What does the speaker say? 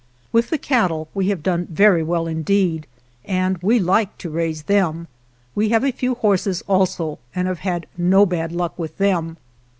With the cattle we have done very well, in deed, and we like to raise them. We have a few horses also, and have had no bad luck with them.